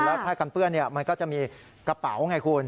แล้วผ้ากันเปื้อนมันก็จะมีกระเป๋าไงคุณ